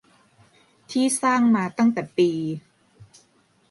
ที่สร้างมาตั้งแต่ปี